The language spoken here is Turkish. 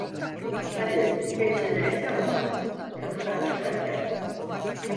Hadi, hepsi neyse ama, kapıdan çıkarken...